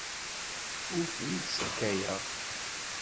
Ur ten-id-ssakayeɣ.